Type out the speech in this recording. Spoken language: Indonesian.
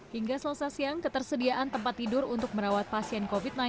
hingga selesai siang ketersediaan tempat tidur untuk merawat pasien covid sembilan belas